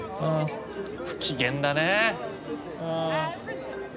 不機嫌だね。